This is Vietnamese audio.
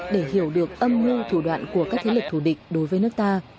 để hiểu được âm mưu thủ đoạn của các thế lực thù địch đối với nước ta